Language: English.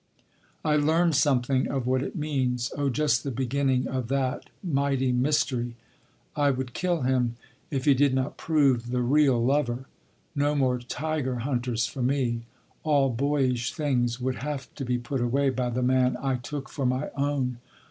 I learned something of what it means—oh, just the beginning of that mighty mystery. I would kill him—if he did not prove the real lover. No more tiger hunters for me. All boyish things would have to be put away by the man I took for my own.